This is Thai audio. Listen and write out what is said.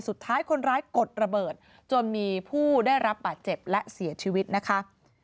สุดท้ายคนร้ายกดระเบิดจนมีผู้ได้รับบาดเจ็บและเสียชีวิตนะคะ